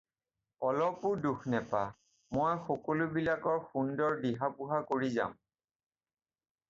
অলপো দুখ নেপা, মই সকলোবিলাকৰ সুন্দৰ দিহা পোহা কৰি যাম।